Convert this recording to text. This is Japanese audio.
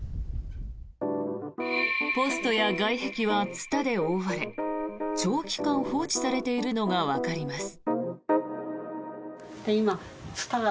ポストや外壁はツタで覆われ長期間、放置されているのがわかります。